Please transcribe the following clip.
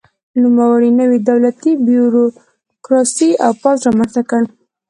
نوموړي نوې دولتي بیروکراسي او پوځ رامنځته کړل.